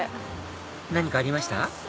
何かありました？